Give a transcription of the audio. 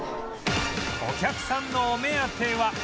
お客さんのお目当ては